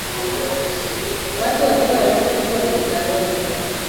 Watu wachoyo walifukuzwa mkutanoni